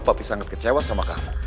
tapi sangat kecewa sama kamu